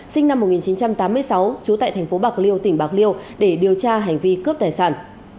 sinh năm một nghìn chín trăm tám mươi sáu trú tại thành phố bạc liêu tỉnh bạc liêu để điều tra hành vi cướp tài sản